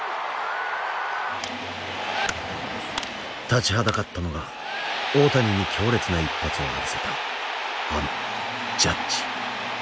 立ちはだかったのが大谷に強烈な一発を浴びせたあのジャッジ。